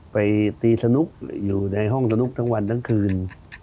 ไปตีสนุกอยู่ในห้องสนุกทั้งวันทั้งคืน